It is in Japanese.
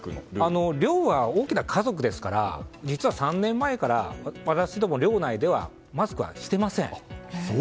寮は大きな家族ですから実は３年前から私ども寮内ではマスクはしていません。